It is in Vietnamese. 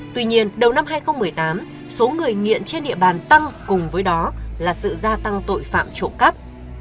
tuy nhiên đầu năm hai nghìn một mươi tám số người nghiện trên địa bàn tăng cùng với đó là sự gia tăng tội phạm trộm cắp